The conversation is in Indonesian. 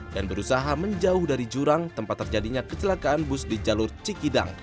dan berusaha menjauh dari jurang tempat terjadinya kecelakaan bus di jalur cikidang